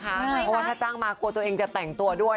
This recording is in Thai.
เพราะว่าถ้าจ้างมากลัวตัวเองจะแต่งตัวด้วย